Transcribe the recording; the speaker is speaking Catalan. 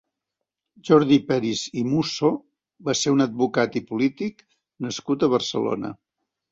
Jordi Peris i Musso va ser un advocat i polític nascut a Barcelona.